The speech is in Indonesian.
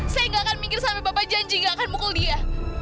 saya nggak akan minggir sampai bapak janji gak akan mukul dia